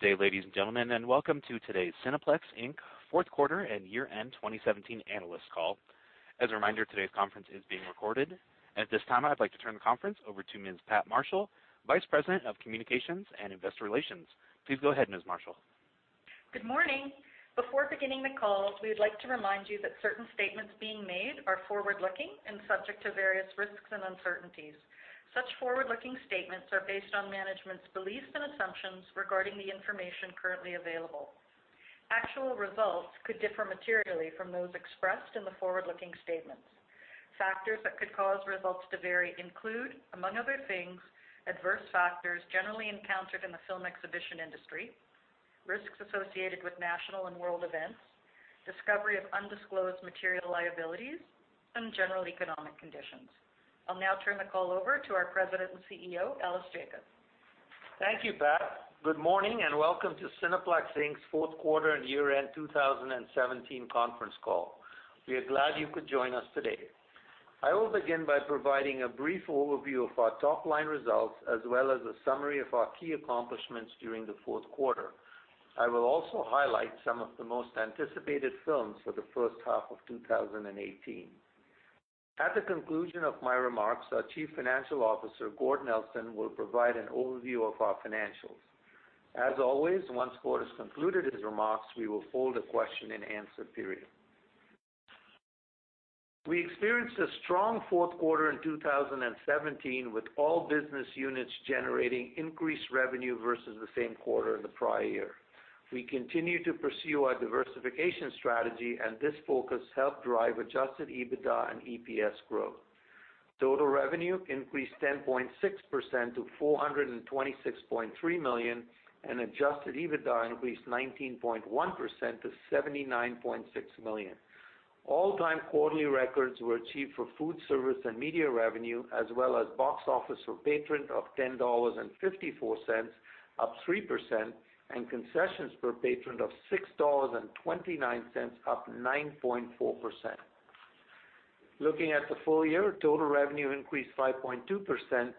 Good day, ladies and gentlemen, and welcome to today's Cineplex Inc. fourth quarter and year-end 2017 analyst call. As a reminder, today's conference is being recorded. At this time, I'd like to turn the conference over to Ms. Pat Marshall, Vice President of Communications and Investor Relations. Please go ahead, Ms. Marshall. Good morning. Before beginning the call, we would like to remind you that certain statements being made are forward-looking and subject to various risks and uncertainties. Such forward-looking statements are based on management's beliefs and assumptions regarding the information currently available. Actual results could differ materially from those expressed in the forward-looking statements. Factors that could cause results to vary include, among other things, adverse factors generally encountered in the film exhibition industry, risks associated with national and world events, discovery of undisclosed material liabilities, and general economic conditions. I'll now turn the call over to our President and CEO, Ellis Jacob. Thank you, Pat. Good morning and welcome to Cineplex Inc.'s fourth quarter and year-end 2017 conference call. We are glad you could join us today. I will begin by providing a brief overview of our top-line results as well as a summary of our key accomplishments during the fourth quarter. I will also highlight some of the most anticipated films for the first half of 2018. At the conclusion of my remarks, our Chief Financial Officer, Gord Nelson, will provide an overview of our financials. As always, once Gord has concluded his remarks, we will hold a question-and-answer period. We experienced a strong fourth quarter in 2017, with all business units generating increased revenue versus the same quarter in the prior year. We continue to pursue our diversification strategy, and this focus helped drive adjusted EBITDA and EPS growth. Total revenue increased 10.6% to 426.3 million, and adjusted EBITDA increased 19.1% to 79.6 million. All-time quarterly records were achieved for food service and media revenue, as well as box office per patron of 10.54 dollars, up 3%, and concessions per patron of 6.29 dollars, up 9.4%. Looking at the full year, total revenue increased 5.2%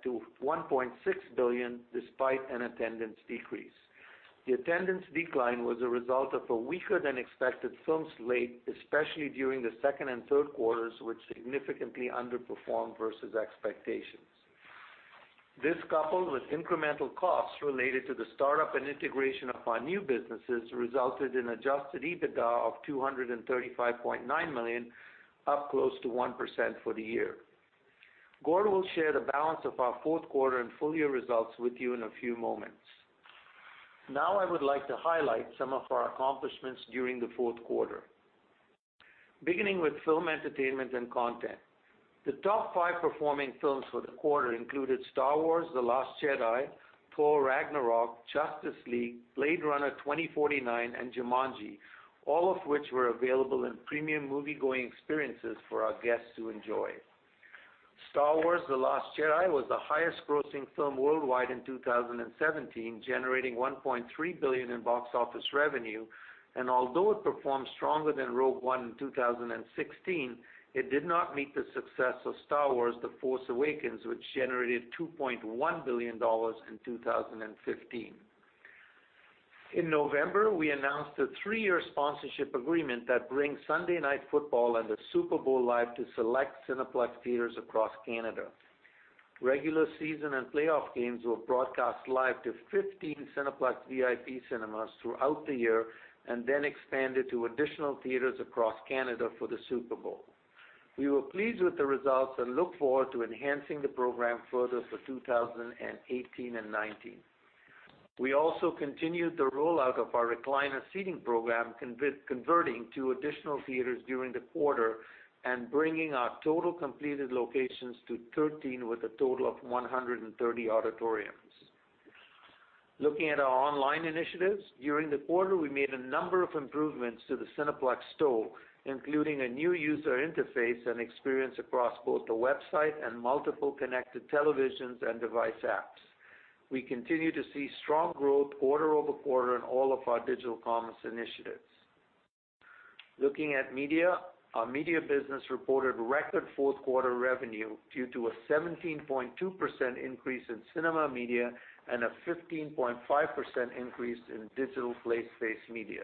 to 1.6 billion despite an attendance decrease. The attendance decline was a result of a weaker-than-expected film slate, especially during the second and third quarters, which significantly underperformed versus expectations. This, coupled with incremental costs related to the startup and integration of our new businesses, resulted in adjusted EBITDA of 235.9 million, up close to 1% for the year. Gord will share the balance of our fourth quarter and full-year results with you in a few moments. Now I would like to highlight some of our accomplishments during the fourth quarter. Beginning with film, entertainment, and content. The top five performing films for the quarter included "Star Wars: The Last Jedi", "Thor: Ragnarok", "Justice League", "Blade Runner 2049", and "Jumanji", all of which were available in premium moviegoing experiences for our guests to enjoy. "Star Wars: The Last Jedi" was the highest-grossing film worldwide in 2017, generating 1.3 billion in box office revenue. Although it performed stronger than "Rogue One" in 2016, it did not meet the success of "Star Wars: The Force Awakens", which generated 2.1 billion dollars in 2015. In November, we announced a three-year sponsorship agreement that brings Sunday Night Football and the Super Bowl live to select Cineplex theaters across Canada. Regular season and playoff games were broadcast live to 15 Cineplex VIP cinemas throughout the year and then expanded to additional theaters across Canada for the Super Bowl. We were pleased with the results and look forward to enhancing the program further for 2018 and 2019. We also continued the rollout of our recliner seating program, converting two additional theaters during the quarter and bringing our total completed locations to 13, with a total of 130 auditoriums. Looking at our online initiatives, during the quarter, we made a number of improvements to the Cineplex Store, including a new user interface and experience across both the website and multiple connected televisions and device apps. We continue to see strong growth quarter-over-quarter in all of our digital commerce initiatives. Looking at media, our media business reported record fourth-quarter revenue due to a 17.2% increase in cinema media and a 15.5% increase in digital place-based media.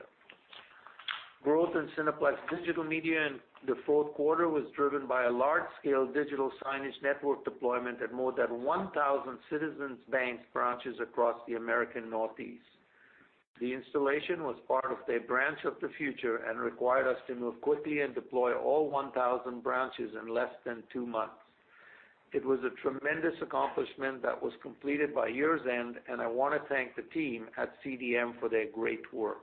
Growth in Cineplex Digital Media in the fourth quarter was driven by a large-scale digital signage network deployment at more than 1,000 Citizens Bank branches across the American Northeast. The installation was part of their branch of the future and required us to move quickly and deploy all 1,000 branches in less than two months. It was a tremendous accomplishment that was completed by year's end, and I want to thank the team at CDM for their great work.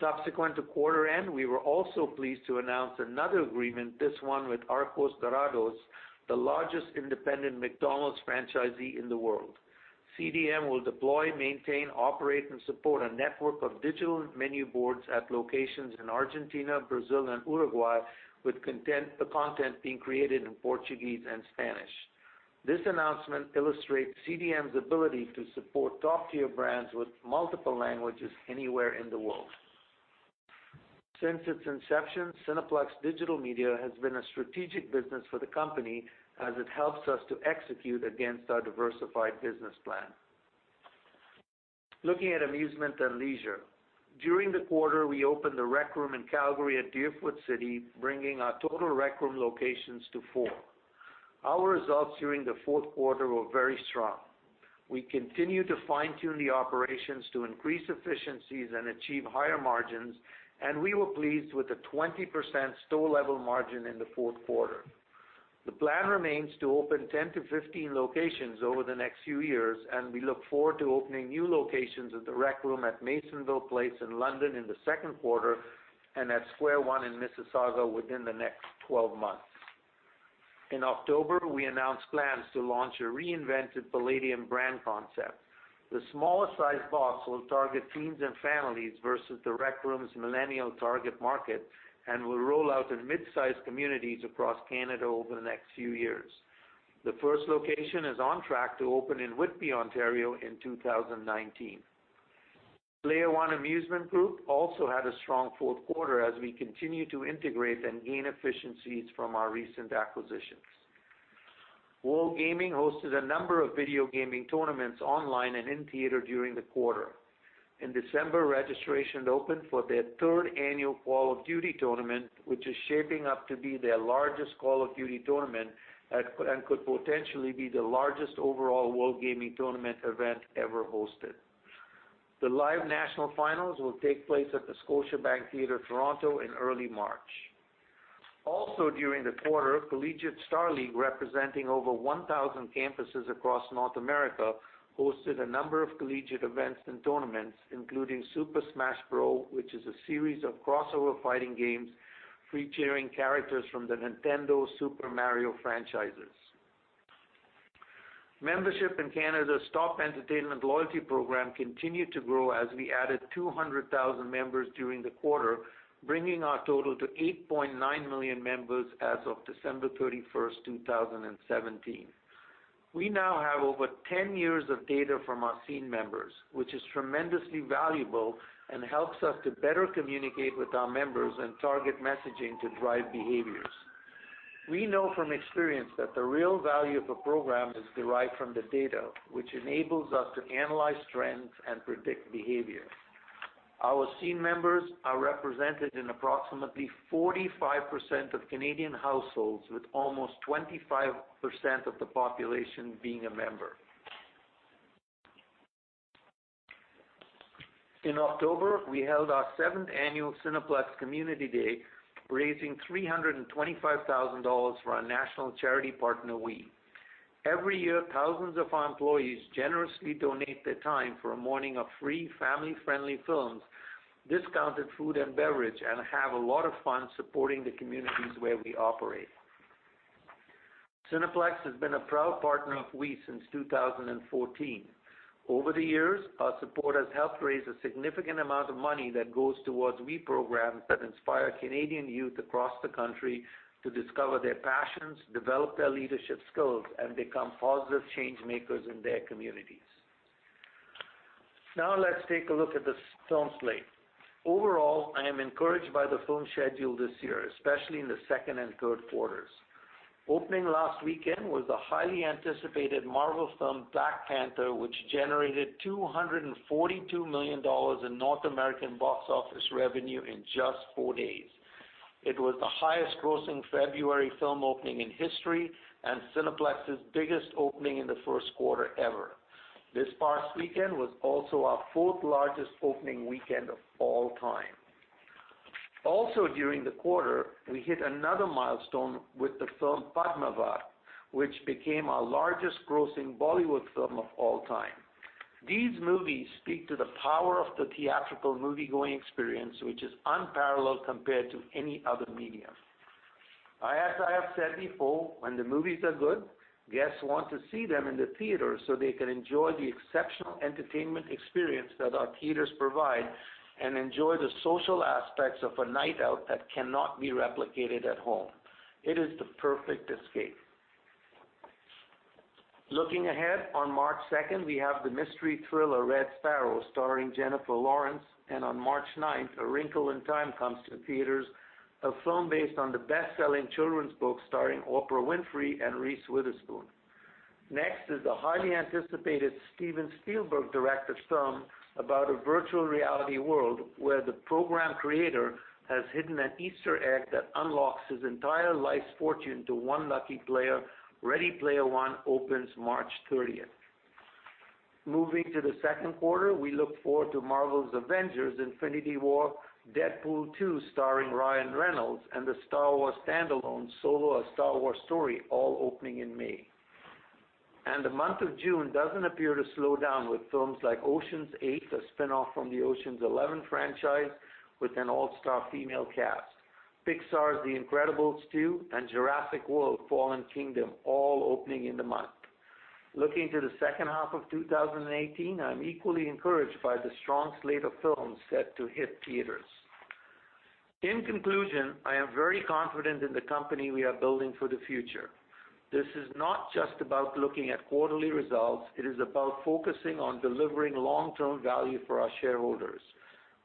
Subsequent to quarter end, we were also pleased to announce another agreement, this one with Arcos Dorados, the largest independent McDonald's franchisee in the world. CDM will deploy, maintain, operate, and support a network of digital menu boards at locations in Argentina, Brazil, and Uruguay, with the content being created in Portuguese and Spanish. This announcement illustrates CDM's ability to support top-tier brands with multiple languages anywhere in the world. Since its inception, Cineplex Digital Media has been a strategic business for the company as it helps us to execute against our diversified business plan. Looking at amusement and leisure. During the quarter, we opened The Rec Room in Calgary at Deerfoot City, bringing our total Rec Room locations to four. Our results during the fourth quarter were very strong. We continue to fine-tune the operations to increase efficiencies and achieve higher margins, and we were pleased with the 20% store level margin in the fourth quarter. The plan remains to open 10 to 15 locations over the next few years, and we look forward to opening new locations of The Rec Room at Masonville Place in London in the second quarter, and at Square One in Mississauga within the next 12 months. In October, we announced plans to launch a reinvented Playdium brand concept. The smaller size box will target teens and families versus The Rec Room's millennial target market and will roll out in mid-size communities across Canada over the next few years. The first location is on track to open in Whitby, Ontario in 2019. Player One Amusement Group also had a strong fourth quarter as we continue to integrate and gain efficiencies from our recent acquisitions. WorldGaming hosted a number of video gaming tournaments online and in-theater during the quarter. In December, registration opened for their third annual Call of Duty tournament, which is shaping up to be their largest Call of Duty tournament and could potentially be the largest overall WorldGaming tournament event ever hosted. The live national finals will take place at the Scotiabank Theatre Toronto in early March. Also during the quarter, Collegiate StarLeague, representing over 1,000 campuses across North America, hosted a number of collegiate events and tournaments, including Super Smash Bros., which is a series of crossover fighting games featuring characters from the Nintendo Super Mario franchises. Membership in Canada's top entertainment loyalty program continued to grow as we added 200,000 members during the quarter, bringing our total to 8.9 million members as of December 31st, 2017. We now have over 10 years of data from our SCENE members, which is tremendously valuable and helps us to better communicate with our members and target messaging to drive behaviors. We know from experience that the real value of a program is derived from the data, which enables us to analyze trends and predict behavior. Our SCENE members are represented in approximately 45% of Canadian households, with almost 25% of the population being a member. In October, we held our seventh annual Cineplex Community Day, raising 325,000 dollars for our national charity partner, WE. Every year, thousands of our employees generously donate their time for a morning of free family-friendly films, discounted food and beverage, and have a lot of fun supporting the communities where we operate. Cineplex has been a proud partner of WE since 2014. Over the years, our support has helped raise a significant amount of money that goes towards WE programs that inspire Canadian youth across the country to discover their passions, develop their leadership skills, and become positive change-makers in their communities. Now let's take a look at the film slate. Overall, I am encouraged by the film schedule this year, especially in the second and third quarters. Opening last weekend was the highly anticipated Marvel film, "Black Panther," which generated 242 million dollars in North American box office revenue in just four days. It was the highest-grossing February film opening in history and Cineplex's biggest opening in the first quarter ever. This past weekend was also our fourth-largest opening weekend of all time. Also during the quarter, we hit another milestone with the film "Padmaavat," which became our largest-grossing Bollywood film of all time. These movies speak to the power of the theatrical moviegoing experience, which is unparalleled compared to any other medium. As I have said before, when the movies are good, guests want to see them in the theater so they can enjoy the exceptional entertainment experience that our theaters provide and enjoy the social aspects of a night out that cannot be replicated at home. It is the perfect escape. Looking ahead, on March 2nd, we have the mystery thriller, "Red Sparrow," starring Jennifer Lawrence, and on March 9th, "A Wrinkle in Time" comes to the theaters, a film based on the best-selling children's book starring Oprah Winfrey and Reese Witherspoon. Next is the highly anticipated Steven Spielberg-directed film about a virtual reality world where the program creator has hidden an Easter egg that unlocks his entire life's fortune to one lucky player. "Ready Player One" opens March 30th. Moving to the second quarter, we look forward to Marvel's "Avengers: Infinity War," "Deadpool 2" starring Ryan Reynolds, and the "Star Wars" standalone, "Solo: A Star Wars Story," all opening in May. The month of June doesn't appear to slow down with films like "Ocean's 8," a spin-off from the "Ocean's 11" franchise with an all-star female cast, Pixar's "The Incredibles 2," and "Jurassic World: Fallen Kingdom," all opening in the month. Looking to the second half of 2018, I'm equally encouraged by the strong slate of films set to hit theaters. In conclusion, I am very confident in the company we are building for the future. This is not just about looking at quarterly results. It is about focusing on delivering long-term value for our shareholders.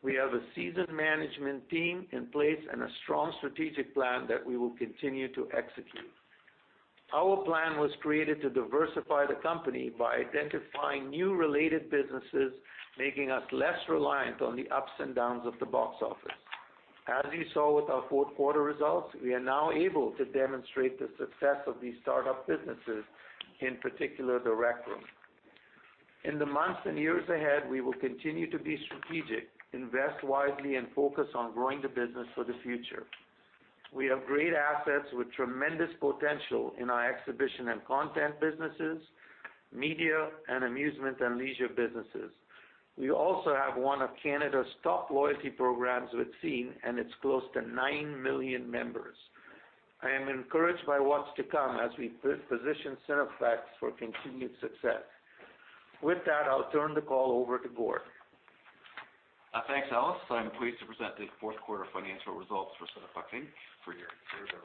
We have a seasoned management team in place and a strong strategic plan that we will continue to execute. Our plan was created to diversify the company by identifying new related businesses, making us less reliant on the ups and downs of the box office. As you saw with our fourth quarter results, we are now able to demonstrate the success of these startup businesses, in particular, The Rec Room. In the months and years ahead, we will continue to be strategic, invest wisely, and focus on growing the business for the future. We have great assets with tremendous potential in our exhibition and content businesses, media, and amusement and leisure businesses. We also have one of Canada's top loyalty programs with SCENE and its close to 9 million members. I am encouraged by what's to come as we position Cineplex for continued success. With that, I'll turn the call over to Gord. Thanks, Ellis. I'm pleased to present the fourth quarter financial results for Cineplex Inc. For your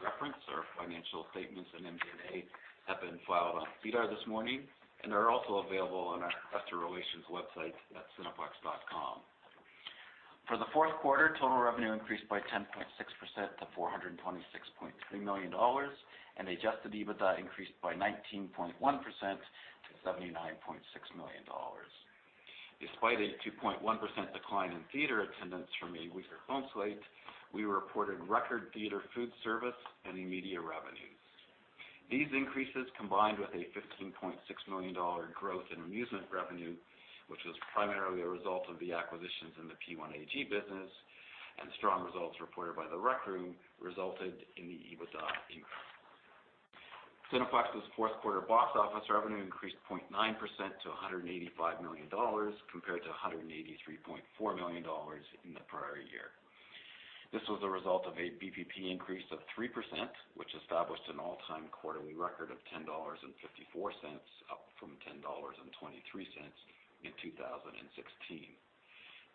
reference, our financial statements and MD&A have been filed on SEDAR this morning and are also available on our investor relations website at cineplex.com. For the fourth quarter, total revenue increased by 10.6% to 426.3 million dollars, and adjusted EBITDA increased by 19.1% to 79.6 million dollars. Despite a 2.1% decline in theater attendance from a weaker home slate, we reported record theater food service and media revenues. These increases, combined with a 15.6 million dollar growth in amusement revenue, which was primarily a result of the acquisitions in the P1AG business and strong results reported by The Rec Room, resulted in the EBITDA increase. Cineplex's fourth quarter box office revenue increased 0.9% to 185 million dollars compared to 183.4 million dollars in the prior year. This was a result of a BPP increase of 3%, which established an all-time quarterly record of 10.54 dollars, up from 10.23 dollars in 2016.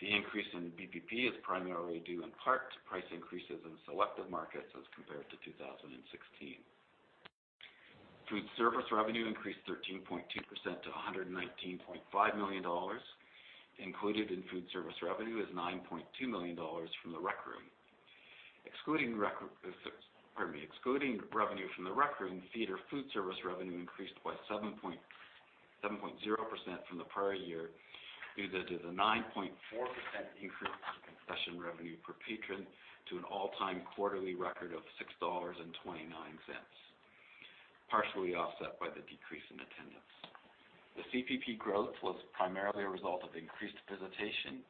The increase in BPP is primarily due in part to price increases in selective markets as compared to 2016. Food service revenue increased 13.2% to 119.5 million dollars. Included in food service revenue is 9.2 million dollars from The Rec Room. Excluding revenue from The Rec Room, theater food service revenue increased by 7.0% from the prior year due to the 9.4% increase in concession revenue per patron to an all-time quarterly record of 6.29 dollars, partially offset by the decrease in attendance. The CPP growth was primarily a result of increased visitation,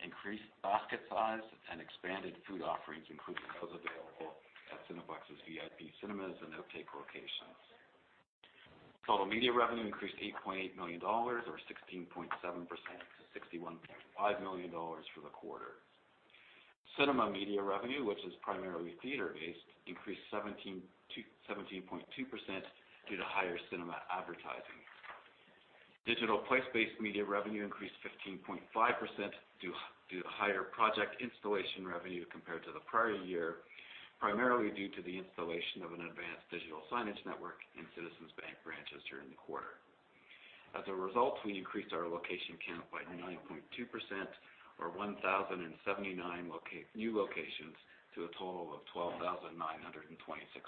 increased basket size, and expanded food offerings, including those available at Cineplex's VIP cinemas and Outtakes locations. Total media revenue increased 8.8 million dollars or 16.7% to 61.5 million dollars for the quarter. Cinema media revenue, which is primarily theater-based, increased 17.2% due to higher cinema advertising. Digital place-based media revenue increased 15.5% due to higher project installation revenue compared to the prior year, primarily due to the installation of an advanced digital signage network in Citizens Bank branches during the quarter. As a result, we increased our location count by 9.2% or 1,079 new locations to a total of 12,926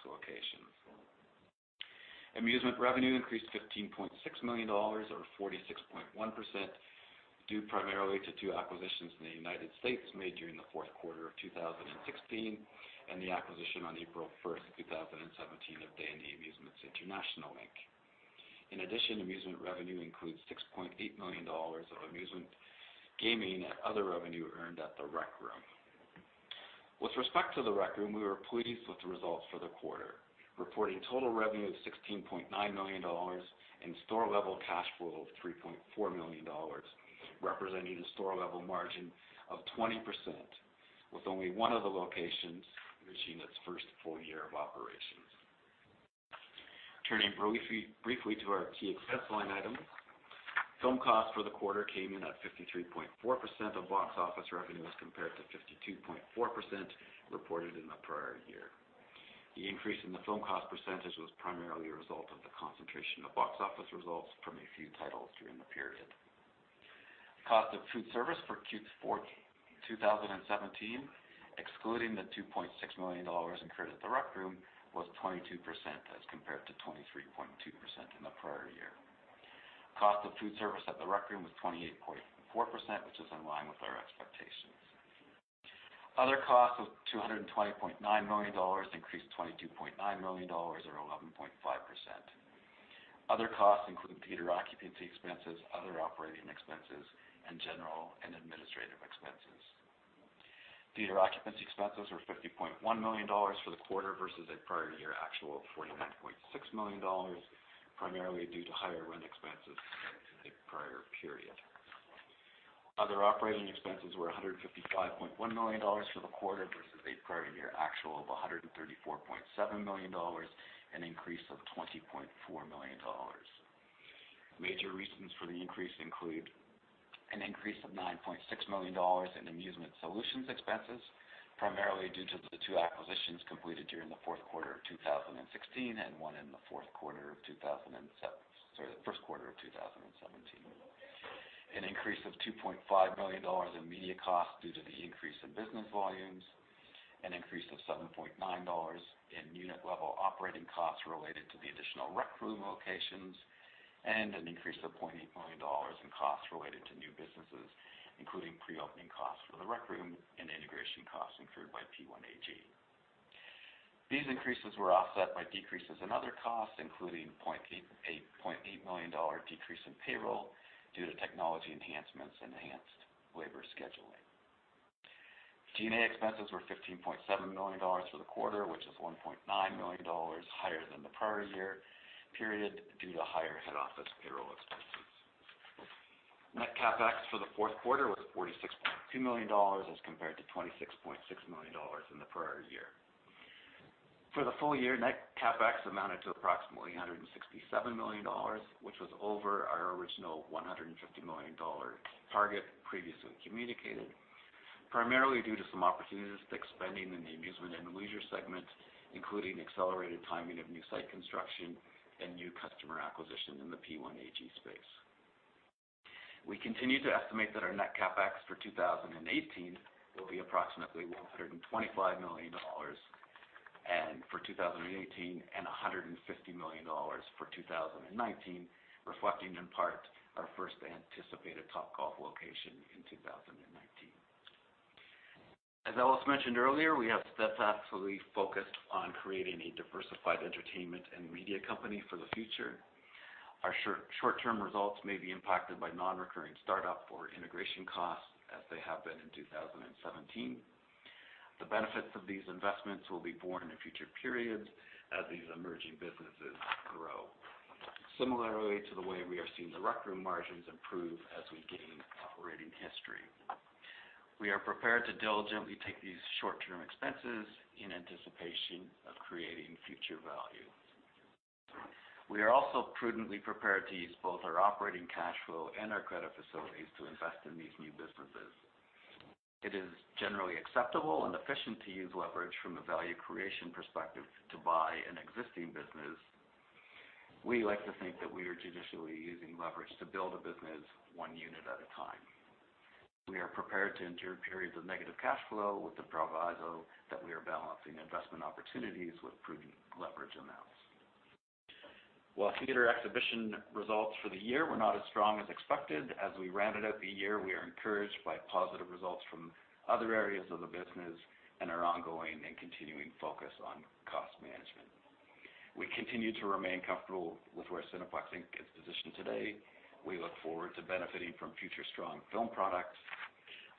locations. Amusement revenue increased to 15.6 million dollars or 46.1%, due primarily to two acquisitions in the United States made during the fourth quarter of 2016 and the acquisition on April 1st, 2017, of Dandy Amusements International, Inc. In addition, amusement revenue includes 6.8 million dollars of amusement gaming and other revenue earned at The Rec Room. With respect to The Rec Room, we were pleased with the results for the quarter, reporting total revenue of 16.9 million dollars and store-level cash flow of 3.4 million dollars, representing a store-level margin of 20%, with only one of the locations reaching its first full year of operations. Turning briefly to our key success line items. Film cost for the quarter came in at 53.4% of box office revenue as compared to 52.4% reported in the prior year. The increase in the film cost percentage was primarily a result of the concentration of box office results from a few titles during the period. Cost of food service for Q4 2017, excluding the 2.6 million dollars incurred at The Rec Room, was 22% as compared to 23.2% in the prior year. Cost of food service at The Rec Room was 28.4%, which is in line with our expectations. Other costs of 220.9 million dollars increased 22.9 million dollars or 11.5%. Other costs include theater occupancy expenses, other operating expenses, and general and administrative expenses. Theater occupancy expenses were 50.1 million dollars for the quarter versus a prior year actual of 49.6 million dollars, primarily due to higher rent expenses compared to the prior period. Other operating expenses were 155.1 million dollars for the quarter versus a prior year actual of 134.7 million dollars, an increase of 20.4 million dollars. Major reasons for the increase include an increase of 9.6 million dollars in Amusement Solutions expenses, primarily due to the two acquisitions completed during the fourth quarter of 2016 and one in the first quarter of 2017. An increase of 2.5 million dollars in media costs due to the increase in business volumes, an increase of 7.9 dollars in unit-level operating costs related to the additional The Rec Room locations, and an increase of 0.8 million dollars in costs related to new businesses, including pre-opening costs for The Rec Room and integration costs incurred by P1AG. These increases were offset by decreases in other costs, including a 0.8 million dollar decrease in payroll due to technology enhancements, enhanced labor scheduling. G&A expenses were 15.7 million dollars for the quarter, which is 1.9 million dollars higher than the prior year period due to higher head office payroll expenses. Net CapEx for the fourth quarter was 46.2 million dollars as compared to 26.6 million dollars in the prior year. For the full year, net CapEx amounted to approximately 167 million dollars, which was over our original 150 million dollar target previously communicated, primarily due to some opportunistic spending in the Amusement and Leisure segment, including accelerated timing of new site construction and new customer acquisition in the P1AG space. We continue to estimate that our net CapEx for 2018 will be approximately 125 million dollars, and 150 million dollars for 2019, reflecting in part our first anticipated Topgolf location in 2019. As Ellis mentioned earlier, we have steadfastly focused on creating a diversified entertainment and media company for the future. Our short-term results may be impacted by non-recurring startup or integration costs as they have been in 2017. The benefits of these investments will be borne in future periods as these emerging businesses grow. Similarly to the way we are seeing The Rec Room margins improve as we gain operating history, we are prepared to diligently take these short-term expenses in anticipation of creating future value. We are also prudently prepared to use both our operating cash flow and our credit facilities to invest in these new businesses. It is generally acceptable and efficient to use leverage from a value creation perspective to buy an existing business. We like to think that we are judiciously using leverage to build a business one unit at a time. We are prepared to endure periods of negative cash flow with the proviso that we are balancing investment opportunities with prudent leverage amounts. While theater exhibition results for the year were not as strong as expected, as we rounded out the year, we are encouraged by positive results from other areas of the business and our ongoing and continuing focus on cost management. We continue to remain comfortable with where Cineplex Inc. is positioned today. We look forward to benefiting from future strong film products.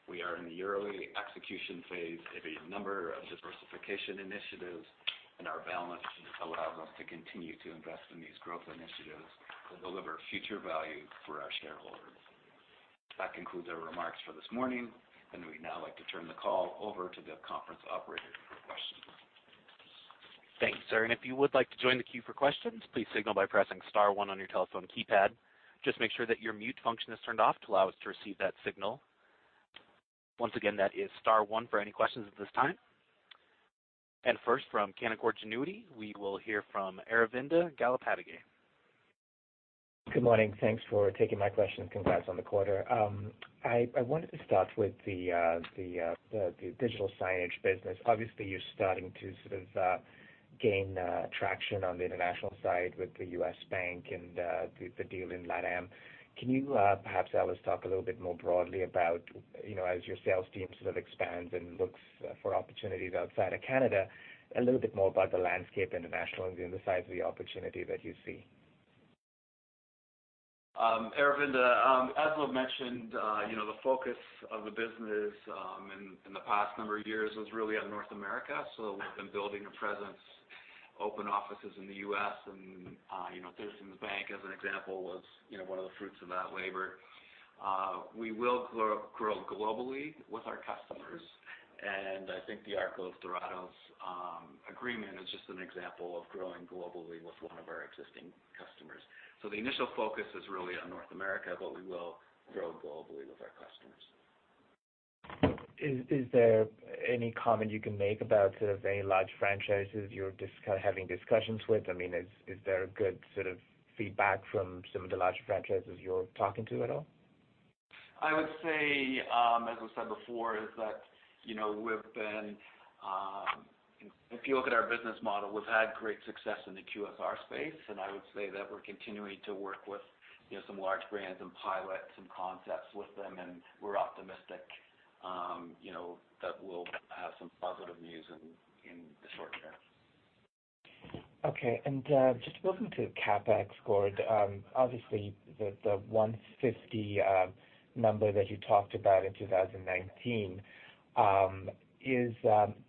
We are in the early execution phase of a number of diversification initiatives, our balance sheet allows us to continue to invest in these growth initiatives to deliver future value for our shareholders. That concludes our remarks for this morning, and we'd now like to turn the call over to the conference operator for questions. Thanks, sir. If you would like to join the queue for questions, please signal by pressing star one on your telephone keypad. Just make sure that your mute function is turned off to allow us to receive that signal. Once again, that is star one for any questions at this time. First from Canaccord Genuity, we will hear from Aravinda Galappatthige. Good morning. Thanks for taking my question. Congrats on the quarter. I wanted to start with the digital signage business. Obviously, you're starting to sort of gain traction on the international side with the U.S. bank and the deal in LATAM. Can you perhaps, Ellis, talk a little bit more broadly about as your sales team sort of expands and looks for opportunities outside of Canada, a little bit more about the landscape internationally and the size of the opportunity that you see? Aravinda, as I've mentioned, the focus of the business in the past number of years was really on North America. We've been building a presence, opened offices in the U.S., and Citizens Bank, as an example, was one of the fruits of that labor. We will grow globally with our customers, and I think the Arcos Dorados agreement is just an example of growing globally with one of our existing customers. The initial focus is really on North America, but we will grow globally with our customers. Is there any comment you can make about any large franchises you're having discussions with? I mean, is there a good sort of feedback from some of the large franchises you're talking to at all? I would say, as I said before, is that if you look at our business model, we've had great success in the QSR space, and I would say that we're continuing to work with some large brands and pilot some concepts with them, and we're optimistic that we'll have some positive news in the short term. Okay, just moving to CapEx growth. Obviously, the 150 number that you talked about in 2019,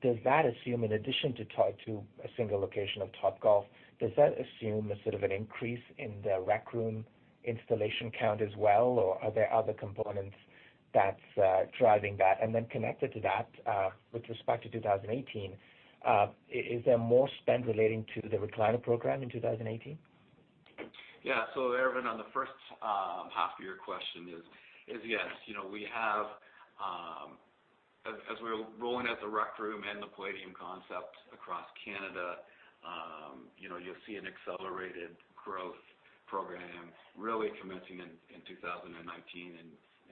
does that assume in addition to a single location of Topgolf, does that assume a sort of an increase in The Rec Room installation count as well, or are there other components that's driving that? Connected to that, with respect to 2018, is there more spend relating to the recliner program in 2018? Yeah. Aravinda, on the first half of your question is yes. As we're rolling out The Rec Room and the Playdium concept across Canada, you'll see an accelerated growth program really commencing in 2019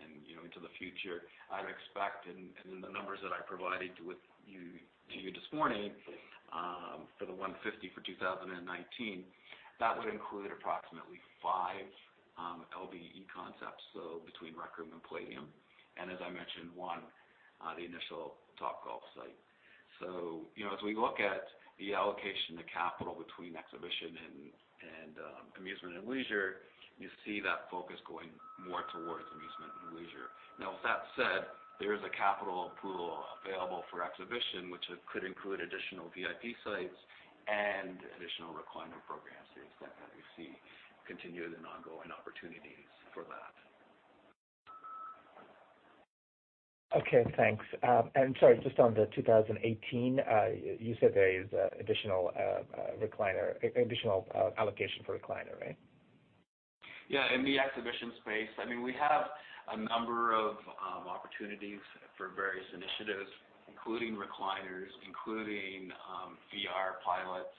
and into the future. I'd expect, and the numbers that I provided to you this morning, for the 150 for 2019, that would include approximately 5 LVE concepts, so between The Rec Room and Playdium. As I mentioned, one, the initial Topgolf site. As we look at the allocation of capital between exhibition and amusement, and leisure, you see that focus going more towards amusement and leisure. Now, with that said, there is a capital pool available for exhibition, which could include additional VIP sites and additional recliner programs, the extent that we see continued and ongoing opportunities for that. Okay, thanks. Sorry, just on the 2018, you said there is additional allocation for recliner, right? In the exhibition space, we have a number of opportunities for various initiatives, including recliners, including VR pilots,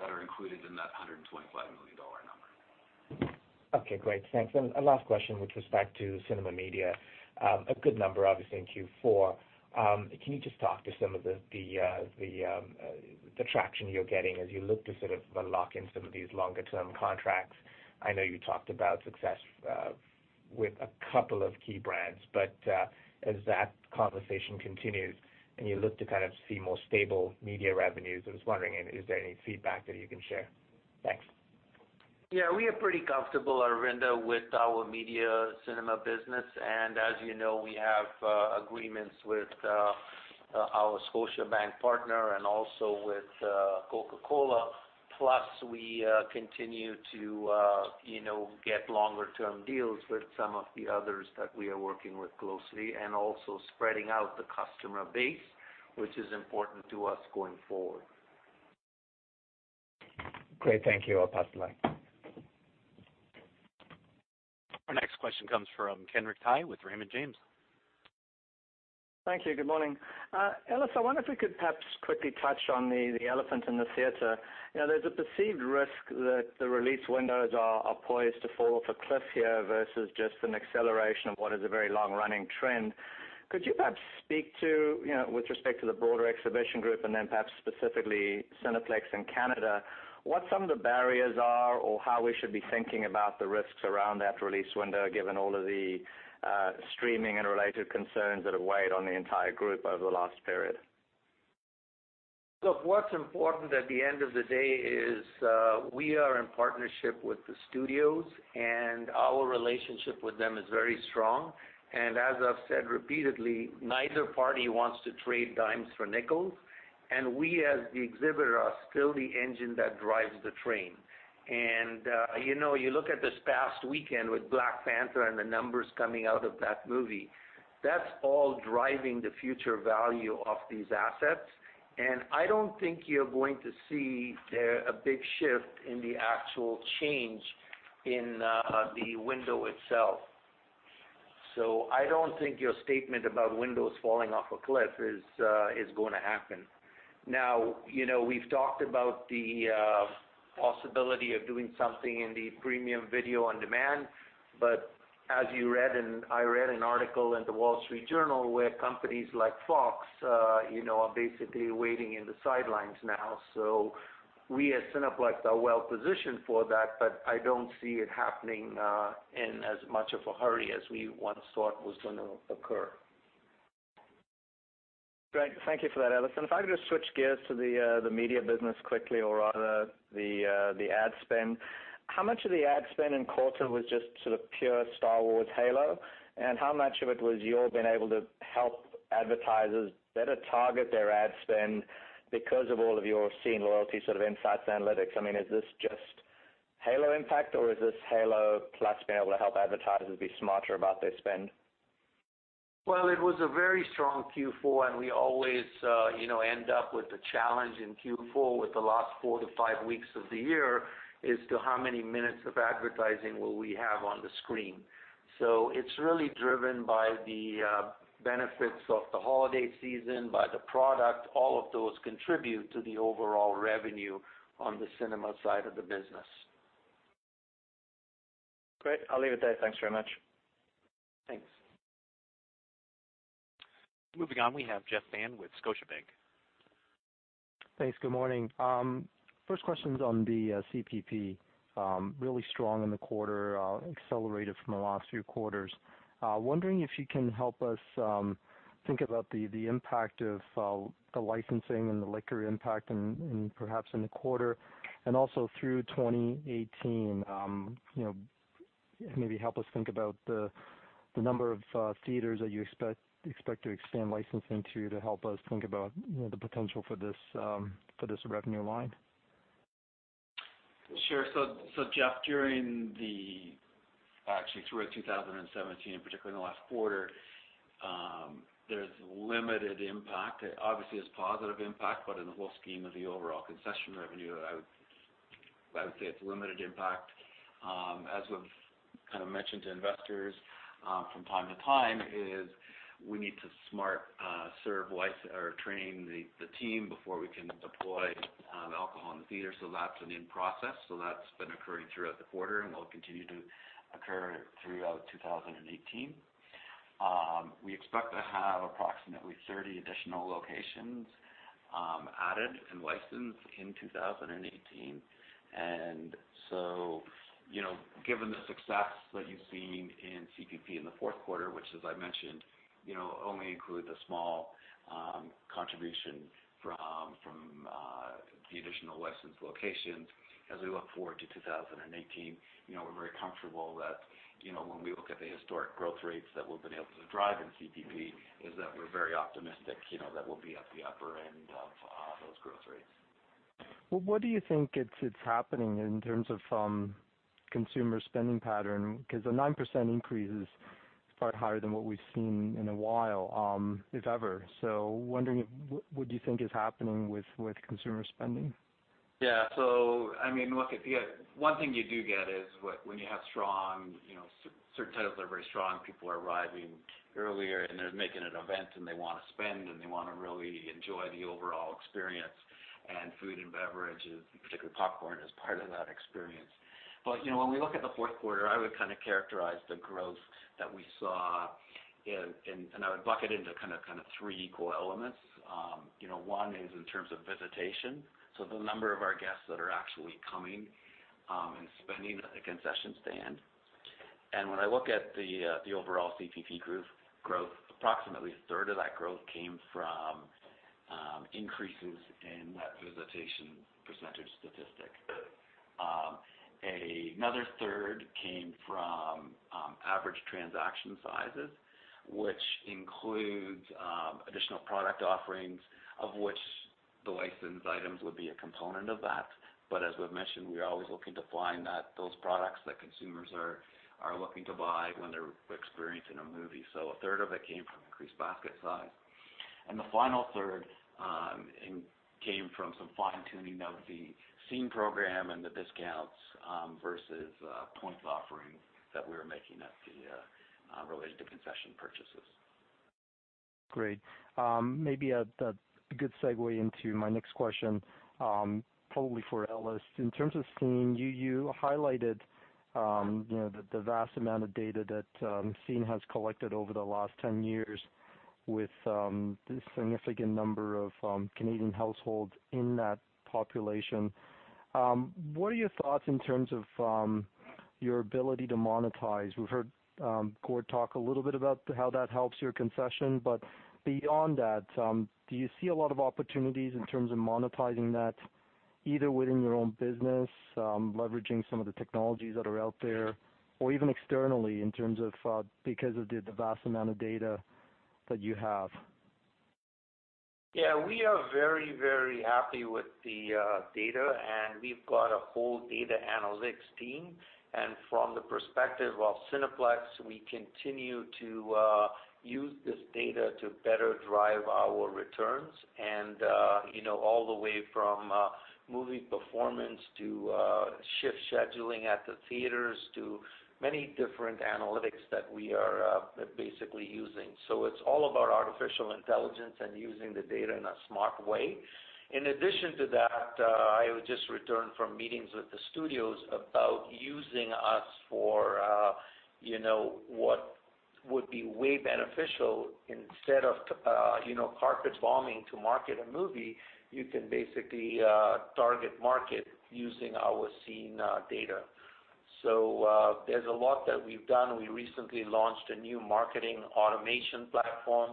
that are included in that 125 million dollar number. Okay, great. Thanks. A last question with respect to cinema media. A good number, obviously in Q4. Can you just talk to some of the traction you're getting as you look to sort of lock in some of these longer-term contracts? I know you talked about success with a couple of key brands, but as that conversation continues and you look to kind of see more stable media revenues, I was wondering, is there any feedback that you can share? Thanks. We are pretty comfortable, Arvind, with our media cinema business. As you know, we have agreements with our Scotiabank partner and also with Coca-Cola. We continue to get longer term deals with some of the others that we are working with closely and also spreading out the customer base, which is important to us going forward. Great. Thank you. I'll pass the line. Our next question comes from Kenrick Tai with Raymond James. Thank you. Good morning. Ellis, I wonder if we could perhaps quickly touch on the elephant in the theater. There's a perceived risk that the release windows are poised to fall off a cliff here versus just an acceleration of what is a very long-running trend. Could you perhaps speak to, with respect to the broader exhibition group, and then perhaps specifically Cineplex in Canada, what some of the barriers are or how we should be thinking about the risks around that release window, given all of the streaming and related concerns that have weighed on the entire group over the last period? Look, what's important at the end of the day is we are in partnership with the studios. Our relationship with them is very strong. As I've said repeatedly, neither party wants to trade dimes for nickels, and we as the exhibitor are still the engine that drives the train. You look at this past weekend with "Black Panther" and the numbers coming out of that movie. That's all driving the future value of these assets. I don't think you're going to see a big shift in the actual change in the window itself. I don't think your statement about windows falling off a cliff is going to happen. Now, we've talked about the possibility of doing something in the premium video on demand, as I read an article in The Wall Street Journal where companies like Fox are basically waiting in the sidelines now. We at Cineplex are well-positioned for that, but I don't see it happening in as much of a hurry as we once thought was going to occur. Great. Thank you for that, Ellis. If I could just switch gears to the media business quickly, or rather the ad spend. How much of the ad spend in quarter was just sort of pure Star Wars halo, and how much of it was you all being able to help advertisers better target their ad spend because of all of your SCENE loyalty sort of insights analytics? I mean, is this just halo impact or is this halo plus being able to help advertisers be smarter about their spend? Well, it was a very strong Q4, we always end up with the challenge in Q4 with the last four to five weeks of the year as to how many minutes of advertising will we have on the screen. It's really driven by the benefits of the holiday season, by the product. All of those contribute to the overall revenue on the cinema side of the business. Great. I'll leave it there. Thanks very much. Thanks. Moving on, we have Jeff Fan with Scotiabank. Thanks. Good morning. First question's on the CPP. Really strong in the quarter, accelerated from the last few quarters. Wondering if you can help us think about the impact of the licensing and the liquor impact perhaps in the quarter, and also through 2018. Maybe help us think about the number of theaters that you expect to expand licensing to help us think about the potential for this revenue line. Sure. Jeff. Actually throughout 2017, particularly in the last quarter, there's limited impact. Obviously, it's positive impact, but in the whole scheme of the overall concession revenue, I would say it's limited impact. As we've kind of mentioned to investors from time to time, is we need to Smart Serve license or train the team before we can deploy the alcohol in the theater. That's in process. That's been occurring throughout the quarter and will continue to occur throughout 2018. We expect to have approximately 30 additional locations added and licensed in 2018. Given the success that you've seen in CPP in the fourth quarter, which as I mentioned, only includes a small contribution from the additional licensed locations, as we look forward to 2018, we're very comfortable that when we look at the historic growth rates that we've been able to drive in CPP, is that we're very optimistic that we'll be at the upper end of those growth rates. Well, what do you think it's happening in terms of consumer spending pattern? Because a 9% increase is quite higher than what we've seen in a while, if ever. Wondering, what do you think is happening with consumer spending? Yeah. One thing you do get is when you have certain titles that are very strong, people are arriving earlier, and they're making an event, and they want to spend, and they want to really enjoy the overall experience. Food and beverage, particularly popcorn, is part of that experience. When we look at the fourth quarter, I would characterize the growth that we saw, and I would bucket into kind of three equal elements. One is in terms of visitation, so the number of our guests that are actually coming and spending at the concession stand. When I look at the overall CPP growth, approximately a third of that growth came from increases in that visitation percentage statistic. Another third came from average transaction sizes, which includes additional product offerings, of which the licensed items would be a component of that. As we've mentioned, we are always looking to find those products that consumers are looking to buy when they're experiencing a movie. A third of it came from increased basket size. The final third came from some fine-tuning of the SCENE program and the discounts versus points offering that we were making at the related to concession purchases. Great. Maybe a good segue into my next question, probably for Ellis. In terms of SCENE, you highlighted the vast amount of data that SCENE has collected over the last 10 years with the significant number of Canadian households in that population. What are your thoughts in terms of your ability to monetize? We've heard Gord talk a little bit about how that helps your concession, beyond that, do you see a lot of opportunities in terms of monetizing that, either within your own business, leveraging some of the technologies that are out there, or even externally in terms of because of the vast amount of data that you have? We are very happy with the data, we've got a whole data analytics team. From the perspective of Cineplex, we continue to use this data to better drive our returns, all the way from movie performance to shift scheduling at the theaters to many different analytics that we are basically using. It's all about artificial intelligence and using the data in a smart way. In addition to that, I would just return from meetings with the studios about using us for what would be way beneficial. Instead of carpet bombing to market a movie, you can basically target market using our SCENE data. There's a lot that we've done. We recently launched a new marketing automation platform,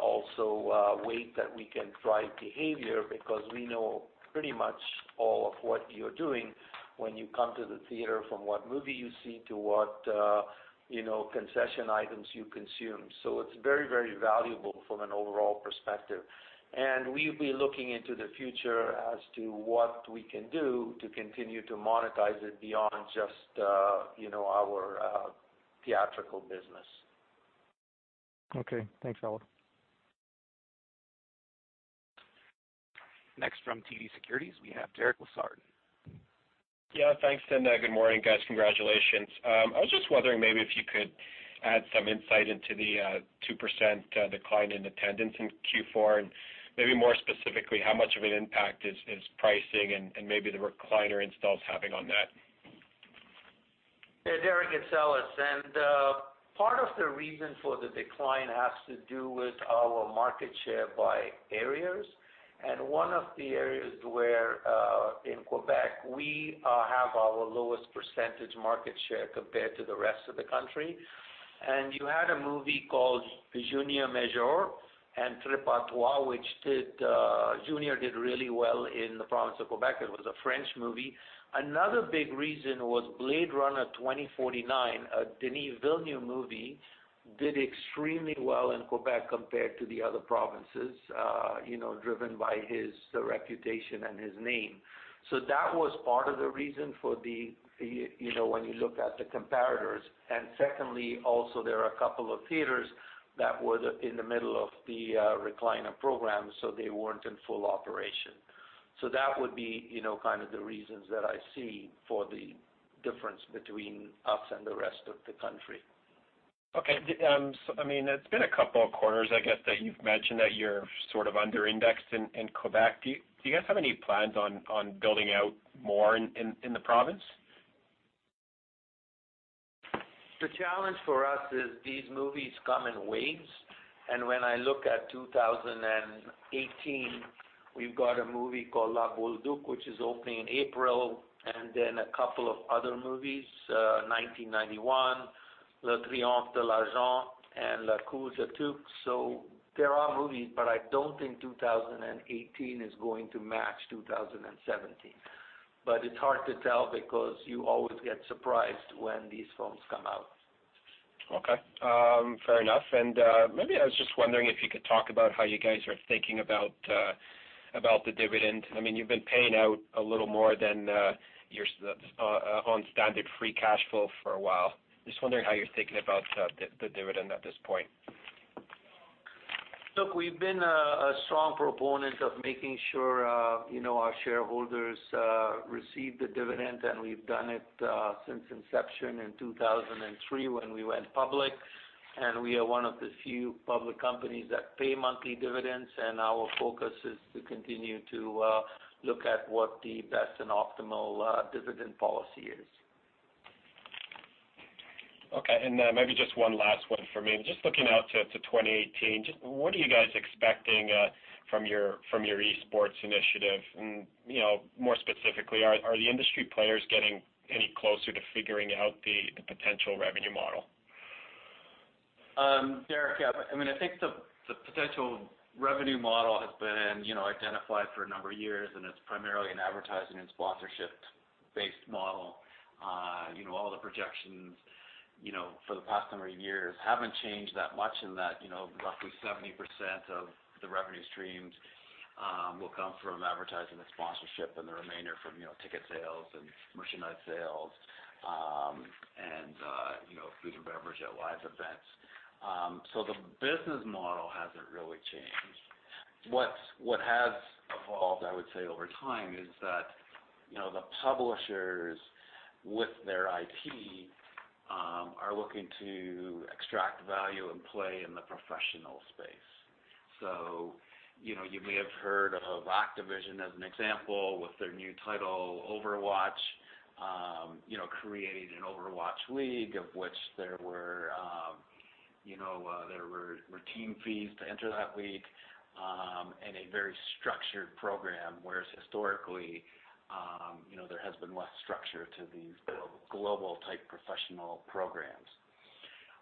also a way that we can drive behavior because we know pretty much all of what you're doing when you come to the theater, from what movie you see to what concession items you consume. It's very valuable from an overall perspective. We'll be looking into the future as to what we can do to continue to monetize it beyond just our theatrical business. Okay. Thanks, Ellis. Next from TD Securities, we have Derek Lessard. Thanks, and good morning, guys. Congratulations. I was just wondering maybe if you could add some insight into the 2% decline in attendance in Q4, and maybe more specifically, how much of an impact is pricing and maybe the recliner installs having on that? Derek, it's Ellis. Part of the reason for the decline has to do with our market share by areas. One of the areas where in Quebec, we have our lowest percentage market share compared to the rest of the country. You had a movie called "Junior Majeur" and "Trip à trois" which Junior did really well in the province of Quebec. It was a French movie. Another big reason was "Blade Runner 2049," a Denis Villeneuve movie. Did extremely well in Quebec compared to the other provinces, driven by his reputation and his name. That was part of the reason when you look at the comparators. Secondly, also there are a couple of theaters that were in the middle of the recliner program, so they weren't in full operation. That would be the reasons that I see for the difference between us and the rest of the country. Okay. It's been a couple of quarters, I guess, that you've mentioned that you're sort of under-indexed in Quebec. Do you guys have any plans on building out more in the province? The challenge for us is these movies come in waves. When I look at 2018, we've got a movie called "La Bolduc" which is opening in April, and then a couple of other movies, "1991," "Le Triomphe de l'amour" and "La course des tuques." There are movies, but I don't think 2018 is going to match 2017. It's hard to tell because you always get surprised when these films come out. Okay. Fair enough. Maybe I was just wondering if you could talk about how you guys are thinking about the dividend. You've been paying out a little more than on standard free cash flow for a while. Just wondering how you're thinking about the dividend at this point. Look, we've been a strong proponent of making sure our shareholders receive the dividend, and we've done it since inception in 2003 when we went public. We are one of the few public companies that pay monthly dividends. Our focus is to continue to look at what the best and optimal dividend policy is. Okay, maybe just one last one from me. Just looking out to 2018, what are you guys expecting from your esports initiative? More specifically, are the industry players getting any closer to figuring out the potential revenue model? Derek, yeah. I think the potential revenue model has been identified for a number of years, and it's primarily an advertising and sponsorship-based model. All the projections for the past number of years haven't changed that much in that roughly 70% of the revenue streams will come from advertising and sponsorship and the remainder from ticket sales and merchandise sales, and food and beverage at live events. The business model hasn't really changed. What has evolved, I would say over time, is that the publishers with their IT are looking to extract value and play in the professional space. You may have heard of Activision, as an example, with their new title, "Overwatch," created an Overwatch League of which there were team fees to enter that league, and a very structured program, whereas historically there has been less structure to these global-type professional programs.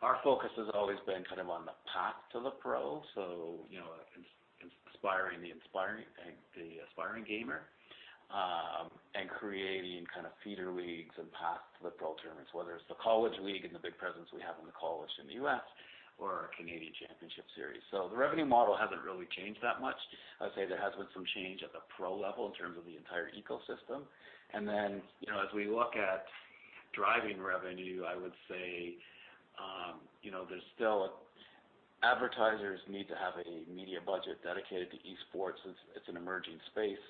Our focus has always been kind of on the path to the pro, so inspiring the aspiring gamer, and creating kind of feeder leagues and paths to the pro tournaments, whether it's the College League and the big presence we have in the college in the U.S. or our Canadian Championship Series. The revenue model hasn't really changed that much. I'd say there has been some change at the pro level in terms of the entire ecosystem. As we look at driving revenue, I would say advertisers need to have a media budget dedicated to esports since it's an emerging space.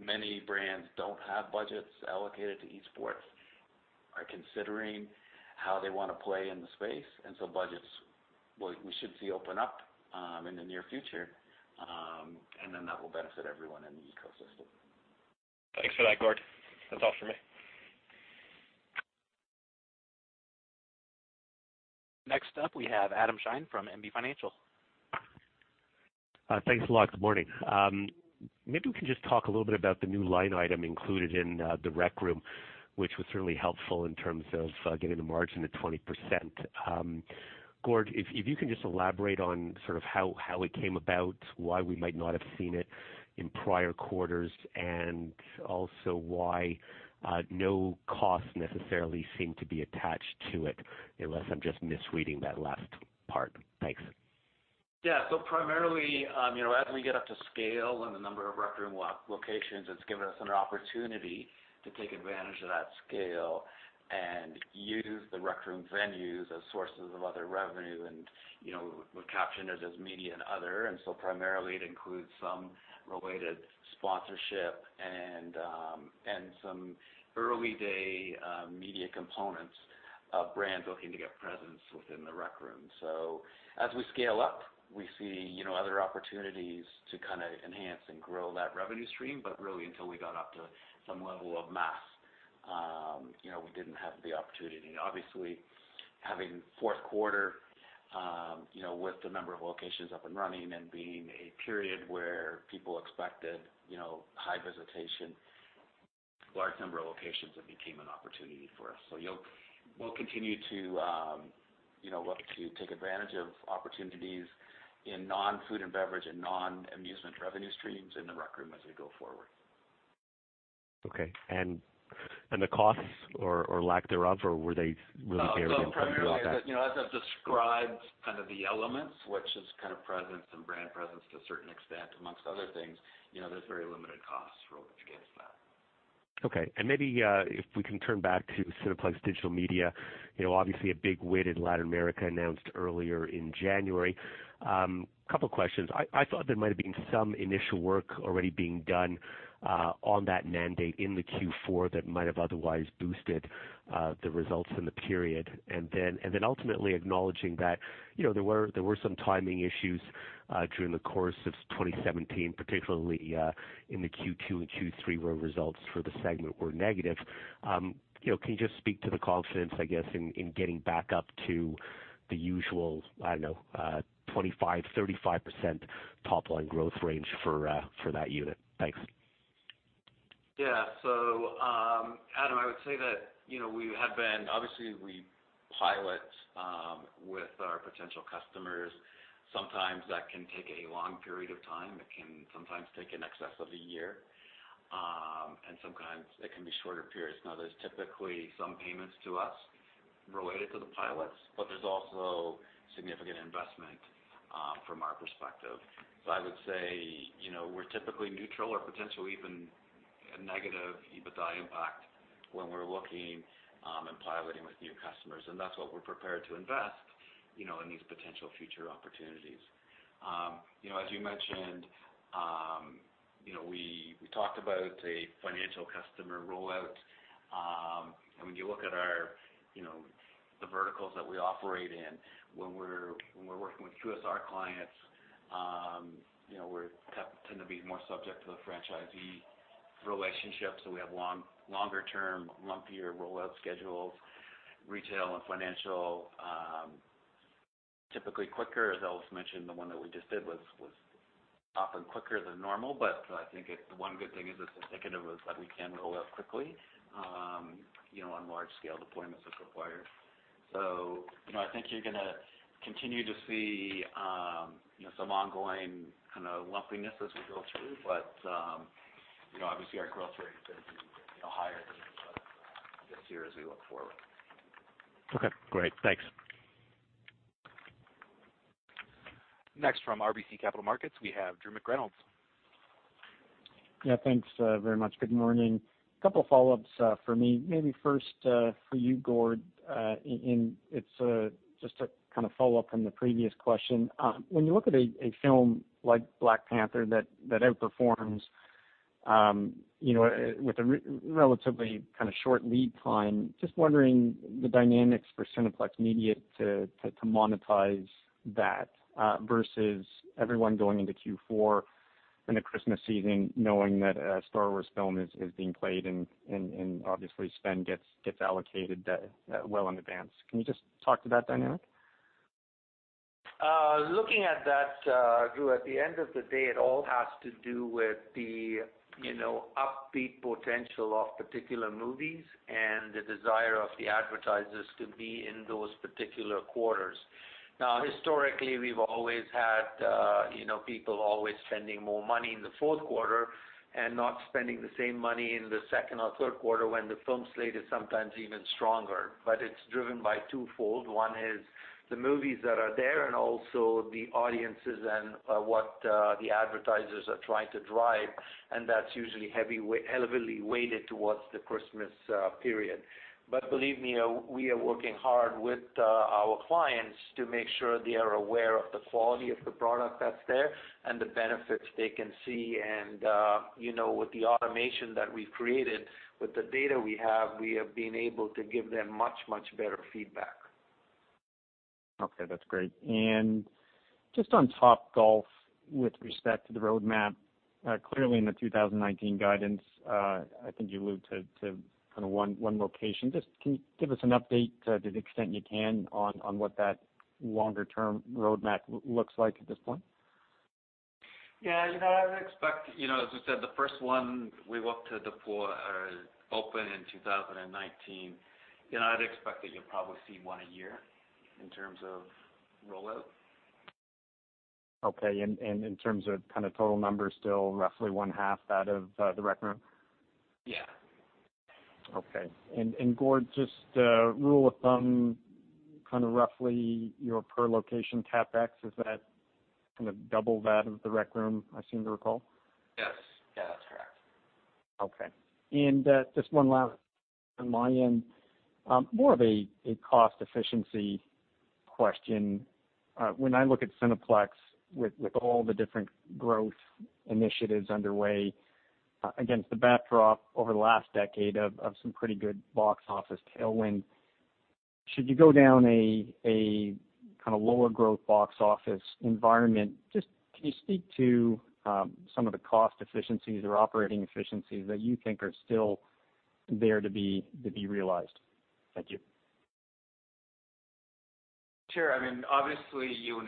Many brands don't have budgets allocated to esports, are considering how they want to play in the space. Budgets, we should see open up in the near future, that will benefit everyone in the ecosystem. Thanks for that, Gord. That's all for me. Next up, we have Adam Shine from National Bank Financial. Thanks a lot. Good morning. Maybe we can just talk a little bit about the new line item included in The Rec Room, which was really helpful in terms of getting the margin to 20%. Gord, if you can just elaborate on sort of how it came about, why we might not have seen it in prior quarters, and also why no costs necessarily seem to be attached to it, unless I'm just misreading that last part. Thanks. Yeah. Primarily, as we get up to scale in the number of Rec Room locations, it's given us an opportunity to take advantage of that scale and use The Rec Room venues as sources of other revenue, and we've captioned it as media and other. Primarily it includes some related sponsorship and some early-day media components of brands looking to get presence within The Rec Room. As we scale up, we see other opportunities to kind of enhance and grow that revenue stream. Really until we got up to some level of mass, we didn't have the opportunity. Obviously, having fourth quarter with the number of locations up and running and being a period where people expected high visitation, large number of locations, it became an opportunity for us. We'll continue to look to take advantage of opportunities in non-food and beverage and non-amusement revenue streams in The Rec Room as we go forward. Okay. The costs or lack thereof, or were they really buried in- primarily, as I've described the elements, which is presence and brand presence to a certain extent, amongst other things, there's very limited costs relative against that. Maybe if we can turn back to Cineplex Digital Media, obviously a big win in Latin America announced earlier in January. Couple questions. I thought there might've been some initial work already being done on that mandate in the Q4 that might have otherwise boosted the results in the period. Ultimately acknowledging that there were some timing issues during the course of 2017, particularly in the Q2 and Q3, where results for the segment were negative. Can you just speak to the confidence, I guess, in getting back up to the usual, I don't know, 25%-35% top-line growth range for that unit? Thanks. Adam, I would say that obviously we pilot with our potential customers. Sometimes that can take a long period of time. It can sometimes take in excess of a year, and sometimes it can be shorter periods. Now, there's typically some payments to us related to the pilots, but there's also significant investment from our perspective. I would say we're typically neutral or potentially even a negative EBITDA impact when we're looking and piloting with new customers. That's what we're prepared to invest in these potential future opportunities. As you mentioned, we talked about a financial customer rollout. When you look at the verticals that we operate in, when we're working with QSR clients, we tend to be more subject to the franchisee relationship, so we have longer-term, lumpier rollout schedules. Retail and financial, typically quicker. As I also mentioned, the one that we just did was often quicker than normal, but I think the one good thing is it's indicative of that we can roll out quickly on large-scale deployments as required. I think you're going to continue to see some ongoing kind of lumpiness as we go through. Obviously our growth rate is going to be higher than this year as we look forward. Okay, great. Thanks. Next from RBC Capital Markets, we have Drew McReynolds. Thanks very much. Good morning. Couple follow-ups for me, maybe first for you, Gord. It's just to kind of follow up from the previous question. When you look at a film like Black Panther that outperforms with a relatively short lead time, just wondering the dynamics for Cineplex Media to monetize that versus everyone going into Q4 in the Christmas season knowing that a Star Wars film is being played and obviously spend gets allocated well in advance. Can you just talk to that dynamic? Looking at that, Drew, at the end of the day, it all has to do with the upbeat potential of particular movies and the desire of the advertisers to be in those particular quarters. Historically, we've always had people always spending more money in the fourth quarter and not spending the same money in the second or third quarter when the film slate is sometimes even stronger. It's driven by twofold. One is the movies that are there and also the audiences and what the advertisers are trying to drive, and that's usually heavily weighted towards the Christmas period. Believe me, we are working hard with our clients to make sure they are aware of the quality of the product that's there and the benefits they can see. With the automation that we've created, with the data we have, we have been able to give them much, much better feedback. Okay, that's great. Just on Topgolf, with respect to the roadmap, clearly in the 2019 guidance, I think you allude to one location. Just can you give us an update to the extent you can on what that longer-term roadmap looks like at this point? Yeah. As I said, the first one we look to open in 2019. I'd expect that you'll probably see one a year in terms of rollout. Okay. In terms of total numbers, still roughly one half that of The Rec Room? Yeah. Okay. Gord, just rule of thumb, roughly your per-location CapEx, is that double that of The Rec Room, I seem to recall? Yes. Yeah, that's correct. Okay. Just one last from my end. More of a cost efficiency question. When I look at Cineplex with all the different growth initiatives underway against the backdrop over the last decade of some pretty good box office tailwind, should you go down a lower growth box office environment, just can you speak to some of the cost efficiencies or operating efficiencies that you think are still there to be realized? Thank you. Sure. Obviously, you're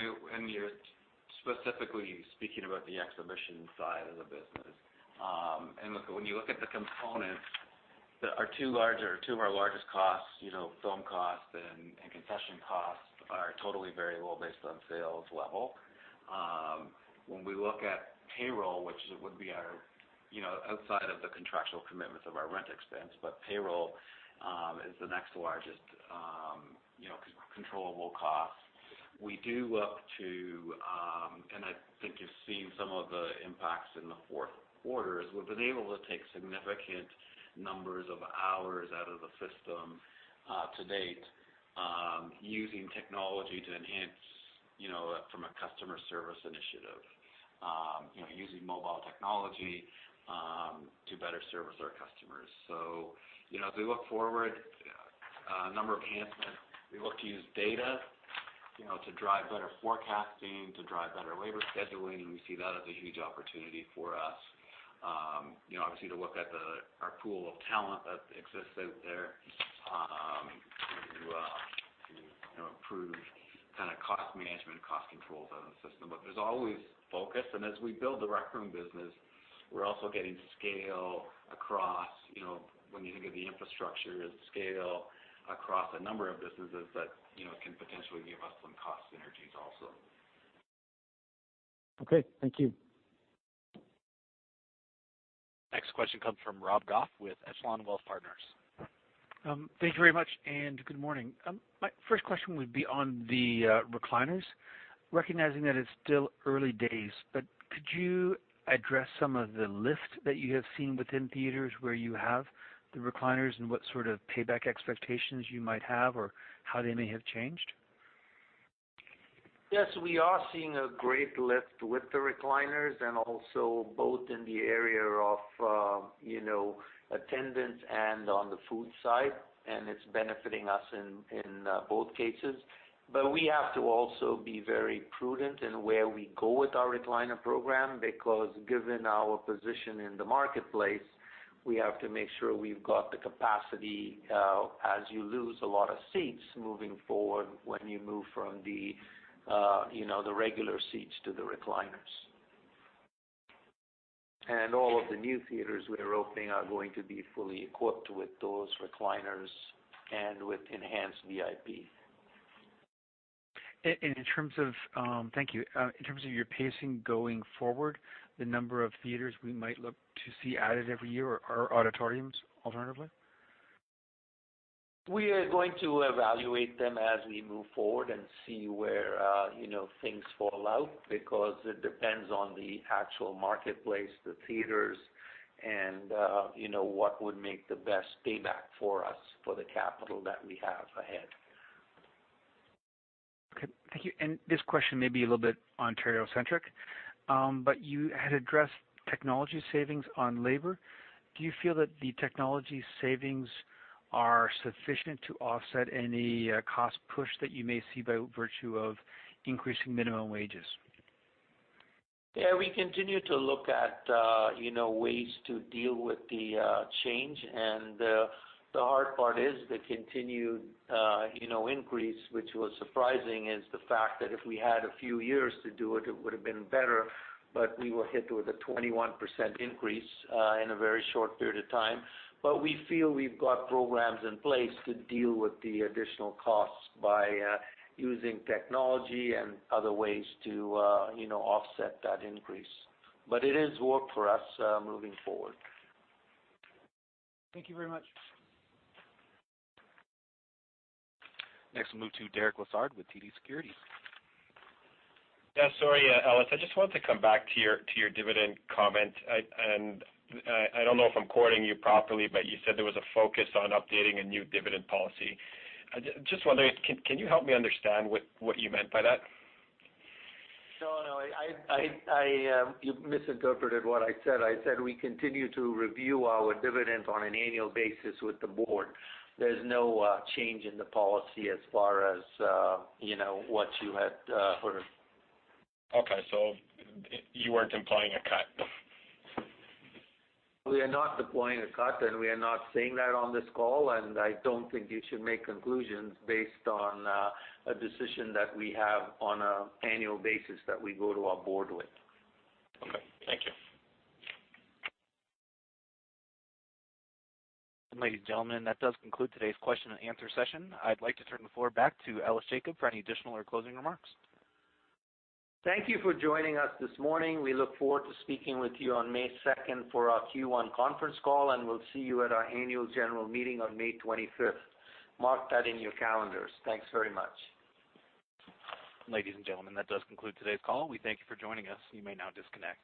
specifically speaking about the exhibition side of the business. Look, when you look at the components. Our two of our largest costs, film costs and concession costs, are totally variable based on sales level. When we look at payroll, which would be our outside of the contractual commitments of our rent expense, but payroll is the next largest controllable cost. We do look to, and I think you've seen some of the impacts in the fourth quarter, is we've been able to take significant numbers of hours out of the system to date, using technology to enhance from a customer service initiative, using mobile technology to better service our customers. As we look forward, a number of enhancements. We look to use data to drive better forecasting, to drive better labor scheduling, we see that as a huge opportunity for us. Obviously to look at our pool of talent that exists out there to improve kind of cost management and cost controls out of the system. There's always focus, and as we build The Rec Room business, we're also getting scale across, when you think of the infrastructure, scale across a number of businesses that can potentially give us some cost synergies also. Okay. Thank you. Next question comes from Rob Goff with Echelon Wealth Partners. Thank you very much, and good morning. My first question would be on the recliners. Recognizing that it's still early days, but could you address some of the lift that you have seen within theaters where you have the recliners, and what sort of payback expectations you might have or how they may have changed? We are seeing a great lift with the recliners and also both in the area of attendance and on the food side, and it's benefiting us in both cases. We have to also be very prudent in where we go with our recliner program because given our position in the marketplace, we have to make sure we've got the capacity as you lose a lot of seats moving forward when you move from the regular seats to the recliners. All of the new theaters we are opening are going to be fully equipped with those recliners and with enhanced VIP. Thank you. In terms of your pacing going forward, the number of theaters we might look to see added every year or auditoriums alternatively? We are going to evaluate them as we move forward and see where things fall out because it depends on the actual marketplace, the theaters, and what would make the best payback for us for the capital that we have ahead. Okay. Thank you. This question may be a little bit Ontario-centric. You had addressed technology savings on labor. Do you feel that the technology savings are sufficient to offset any cost push that you may see by virtue of increasing minimum wages? We continue to look at ways to deal with the change. The hard part is the continued increase, which was surprising, is the fact that if we had a few years to do it would've been better. We were hit with a 21% increase in a very short period of time. We feel we've got programs in place to deal with the additional costs by using technology and other ways to offset that increase. It is work for us moving forward. Thank you very much. Next, we'll move to Derek Lessard with TD Securities. Sorry, Ellis. I just wanted to come back to your dividend comment. I don't know if I'm quoting you properly, you said there was a focus on updating a new dividend policy. Just wondering, can you help me understand what you meant by that? No. You misinterpreted what I said. I said we continue to review our dividend on an annual basis with the board. There's no change in the policy as far as what you had heard. Okay. You weren't implying a cut? We are not implying a cut, we are not saying that on this call, I don't think you should make conclusions based on a decision that we have on an annual basis that we go to our board with. Okay. Thank you. Ladies and gentlemen, that does conclude today's question and answer session. I'd like to turn the floor back to Ellis Jacob for any additional or closing remarks. Thank you for joining us this morning. We look forward to speaking with you on May 2nd for our Q1 conference call, and we'll see you at our annual general meeting on May 25th. Mark that in your calendars. Thanks very much. Ladies and gentlemen, that does conclude today's call. We thank you for joining us. You may now disconnect.